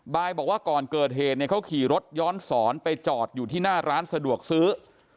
บอกว่าก่อนเกิดเหตุเนี่ยเขาขี่รถย้อนสอนไปจอดอยู่ที่หน้าร้านสะดวกซื้อ